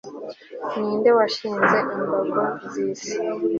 ni nde washinze imbago z'isi